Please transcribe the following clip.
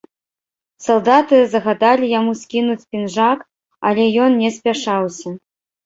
Салдаты загадалі яму скінуць пінжак, але ён не спяшаўся.